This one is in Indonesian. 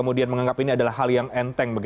menganggap ini adalah hal yang enteng